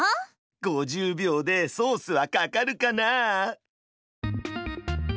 ５０秒でソースはかかるかな？